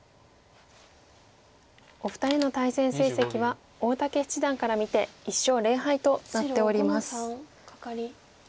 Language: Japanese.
お二人の対戦成績は大竹七段から見て１勝０敗となっております。